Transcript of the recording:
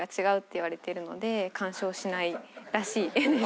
いわれているので干渉しないらしいです。